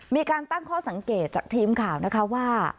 มีการตั้งข้อสังเกตจากทีมข่าวนะคะว่า